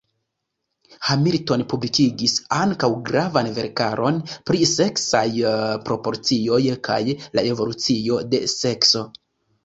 Hamilton publikigis ankaŭ gravan verkaron pri seksaj proporcioj kaj la evolucio de sekso.